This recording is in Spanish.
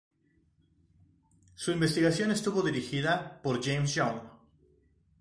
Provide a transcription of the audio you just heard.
Su investigación estuvo dirigida por James Young.